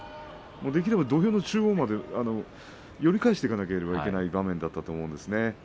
できれば土俵の中央まで寄り返していかなければいけない場面だったと思うんですね。